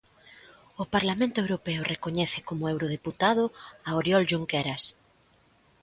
O Parlamento Europeo recoñece como eurodeputado a Oriol Junqueras.